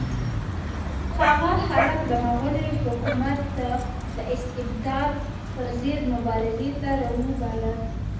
هغه خلک د مغلي حکومت د استبداد پر ضد مبارزې ته راوبلل.